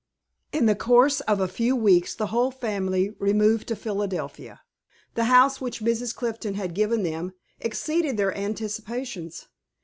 In the course of a few weeks the whole family removed to Philadelphia. The house which Mrs. Clifton had given them, exceeded their anticipations.